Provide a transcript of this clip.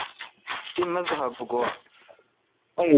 تی مذہب گوا؟